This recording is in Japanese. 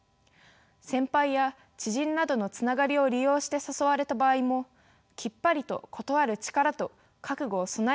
先輩や知人などのつながりを利用して誘われた場合もきっぱりと断る力と覚悟を備えておく。